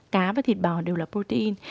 cá và thịt bò đều là protein